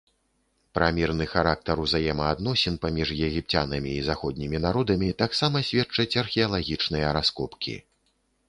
Пра мірны характар узаемаадносін паміж егіпцянамі і заходнімі народамі таксама сведчаць археалагічныя раскопкі.